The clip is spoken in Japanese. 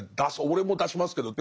俺も出しますけど。